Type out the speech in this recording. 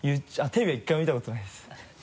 テレビでは１回も見たことないです。